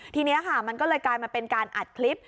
ทีนี้ค่ะมันก็เลยกลายมาเป็นการอัดคลิป